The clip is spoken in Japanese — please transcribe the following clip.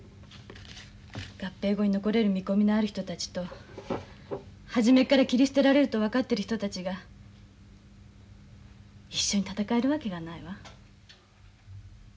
合併後に残れる見込みのある人たちと初めっから切り捨てられると分かってる人たちが一緒に闘えるわけがないわ。